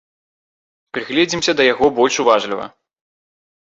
Прыгледзімся да яго больш уважліва.